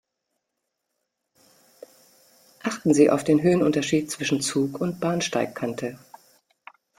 Achten Sie auf den Höhenunterschied zwischen Zug und Bahnsteigkante.